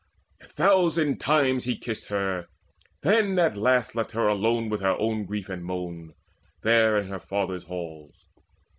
A thousand times he kissed her, then at last Left her alone with her own grief and moan There in her father's halls.